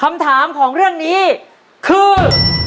คำถามของเรื่องนี้คือ